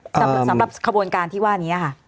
สำหรับขบวนการที่ว่านี้ค่ะ